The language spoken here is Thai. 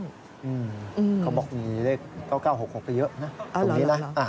เขาบอกมีเลข๙๙๖๖ไปเยอะนะตรงนี้นะ